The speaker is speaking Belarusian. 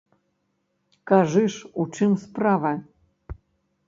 Кажы ж, у чым справа?